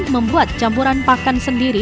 membuat campuran pakan sendiri